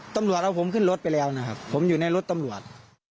ตำรวจเอาผมขึ้นรถไปแล้วนะครับผมอยู่ในรถตำรวจ